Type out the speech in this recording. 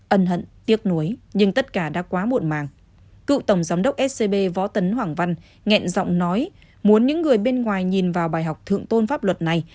ân hận tiếc nuối nhưng tất cả đã quá muộn màng cựu tổng giám đốc scb võ tấn hoàng văn nhẹn giọng nói muốn những người bên ngoài nhìn vào bài học thượng tôn pháp luật này